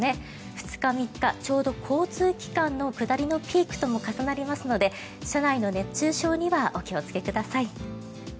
２日、３日ちょうど交通機関の下りのピークとも重なりますので車内の熱中症にはお気をつけください。